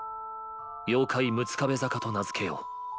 「妖怪六壁坂」と名付けよう。